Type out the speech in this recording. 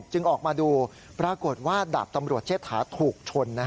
ออกมาดูปรากฏว่าดาบตำรวจเชษฐาถูกชน